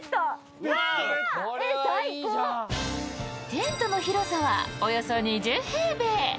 テントの広さはおよそ２０平米。